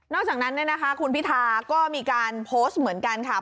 อกจากนั้นคุณพิธาก็มีการโพสต์เหมือนกันค่ะ